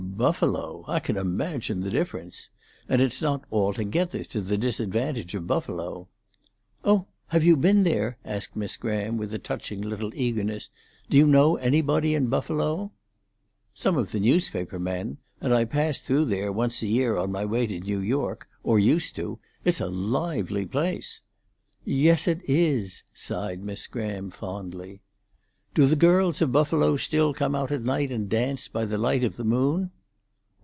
"Buffalo? I can imagine the difference. And it's not altogether to the disadvantage of Buffalo." "Oh, have you been there?" asked Miss Graham, with a touching little eagerness. "Do you know anybody in Buffalo?" "Some of the newspaper men; and I pass through there once a year on my way to New York—or used to. It's a lively place." "Yes, it is," sighed Miss Graham fondly. "Do the girls of Buffalo still come out at night and dance by the light of the moon?"